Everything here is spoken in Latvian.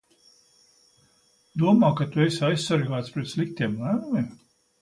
Domā, ka tu esi aizsargāts pret sliktiem lēmumiem?